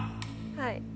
はい。